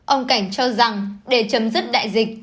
ông cảnh cho rằng để chấm dứt đại dịch